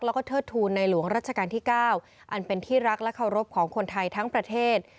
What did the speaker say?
แล้วก็เทิดทูลในหลวงรัชกาลที่๙อันเป็นที่รักและเคารพของคนไทยทั้งประเทศ